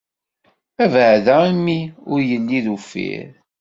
Abeɛda imi, ur yelli d uffir.